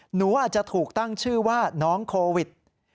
หนูอาจจะถูกตั้งชื่อว่าน้องโควิด